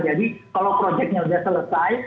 jadi kalau projectnya sudah selesai